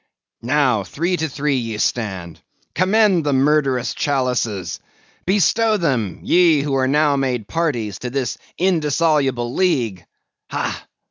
"Now, three to three, ye stand. Commend the murderous chalices! Bestow them, ye who are now made parties to this indissoluble league. Ha!